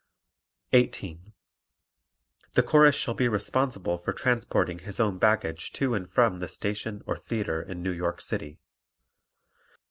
18. The Chorus shall be responsible for transporting his own baggage to and from the station or theatre in New York City.